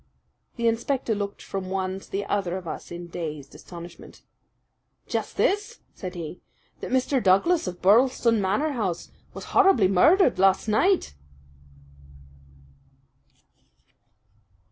The inspector looked from one to the other of us in dazed astonishment. "Just this," said he, "that Mr. Douglas of Birlstone Manor House was horribly murdered last night!"